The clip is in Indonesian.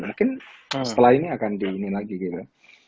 mungkin setelah ini akan di ini lagi gitu